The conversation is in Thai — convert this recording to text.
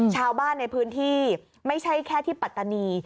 ชาวบ้านในพื้นที่ไม่ใช่แค่ที่ปัตตานี